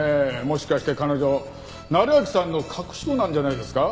もしかして彼女成章さんの隠し子なんじゃないですか？